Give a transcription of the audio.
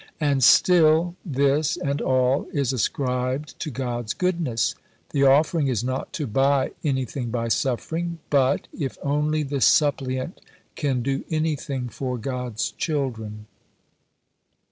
And still, this, and all, is ascribed to God's goodness. The offering is not to buy anything by suffering, but If only the suppliant can do anything for God's children!